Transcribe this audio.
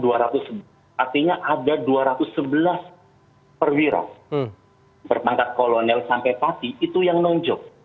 artinya ada dua ratus sebelas perwira berpangkat kolonel sampai pati itu yang nonjok